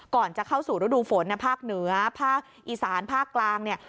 ก่อนจะเข้าสู่ฤดูฝนนะภาคเหนือภาคอีสานภาคกลางเนี่ย